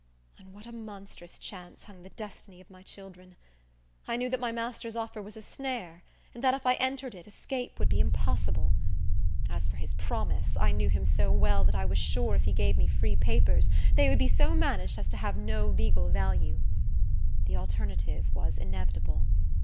On what a monstrous chance hung the destiny of my children! I knew that my master's offer was a snare, and that if I entered it escape would be impossible. As for his promise, I knew him so well that I was sure if he gave me free papers, they would be so managed as to have no legal value. The alternative was inevitable.